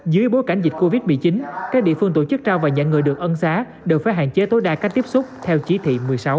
dưới bối cảnh dịch covid một mươi chín các địa phương tổ chức trao và nhận người được ân xá đều phải hạn chế tối đa cách tiếp xúc theo chỉ thị một mươi sáu